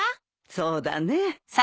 そうだね。